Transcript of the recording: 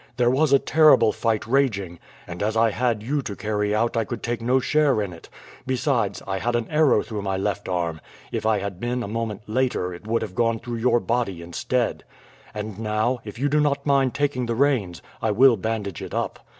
"There was a terrible fight raging, and as I had you to carry out I could take no share in it. Besides, I had an arrow through my left arm if I had been a moment later it would have gone through your body instead. And now, if you do not mind taking the reins, I will bandage it up.